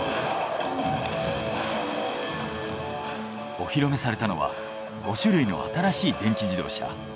お披露目されたのは５種類の新しい電気自動車。